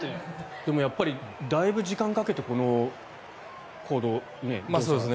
でも、やっぱりだいぶ時間をかけてしてますね。